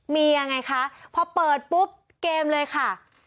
มียังไงคะพอเปิดปุ๊บเกมเลยค่ะ